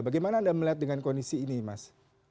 bagaimana anda melihat dengan kondisi ini mas